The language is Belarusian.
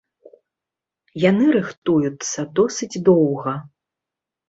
Яны рыхтуюцца досыць доўга.